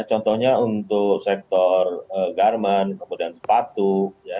contohnya untuk sektor garmen kemudian sepatu ya